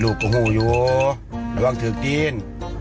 ลูกก็ห่วงอยู่ระวังถือกจิ้น